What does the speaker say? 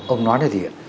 ông nói là gì